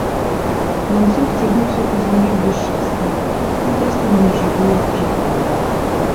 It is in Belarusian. Ланцуг цягнуўся па зямлі блішчастаю, выпрастана нежывою вужакаю.